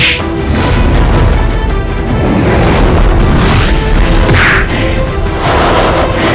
sebelum anda berlama saling itu